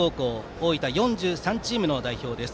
大分４３チームの成績です。